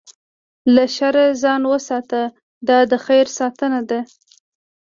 له شره ځان وساته، دا د خیر ساتنه ده.